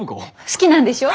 好きなんでしょ？